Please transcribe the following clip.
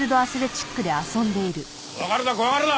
怖がるな怖がるな。